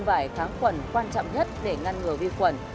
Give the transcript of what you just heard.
nếu khẩu trang này là nơi quan trọng nhất để ngăn ngừa vi khuẩn